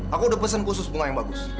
aku udah pesen khusus bunga yang bagus